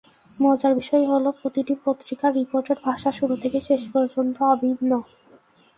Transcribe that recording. মজার বিষয় হলো, প্রতিটি পত্রিকার রিপোর্টের ভাষা শুরু থেকে শেষ পর্যন্ত অভিন্ন।